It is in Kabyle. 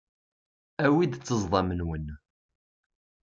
Awim-d ṭṭezḍam-nwen.